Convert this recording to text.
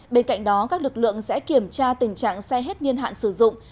bên cạnh đó các lực lượng sẽ kiểm tra tình trạng xe hết niên hạn sử dụng